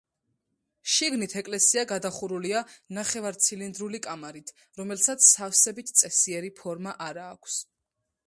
შიგნით ეკლესია გადახურულია ნახევარცილინდრული კამარით, რომელსაც სავსებით წესიერი ფორმა არა აქვს.